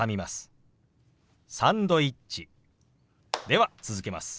では続けます。